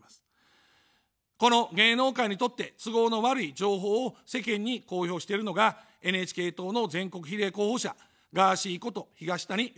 この、芸能界にとって都合の悪い情報を世間に公表しているのがＮＨＫ党の全国比例候補者ガーシーこと東谷義和です。